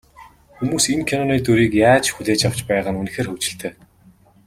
Хүмүүс энэ киноны дүрийг яаж хүлээж авч байгаа нь үнэхээр хөгжилтэй.